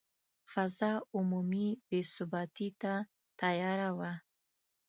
فضا عمومي بې ثباتي ته تیاره وه.